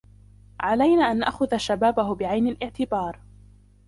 علينا أن نأخذ شبابه بعين الاعتبار.